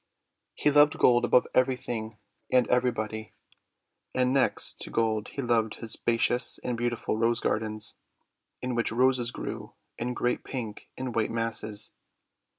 He loved gold above everything and everybody. And next to gold he loved his spacious and beautiful Rose Gardens, in which Roses grew in great pink and white masses.